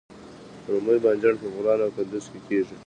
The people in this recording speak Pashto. رومي بانجان په بغلان او کندز کې کیږي